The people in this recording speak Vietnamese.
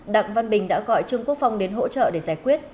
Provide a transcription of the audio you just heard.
đặng văn bình đã gọi trương quốc phong đến hỗ trợ để giải quyết